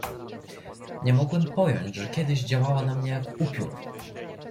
"Nie mogłem pojąć, że kiedyś działała na mnie jak upiór!"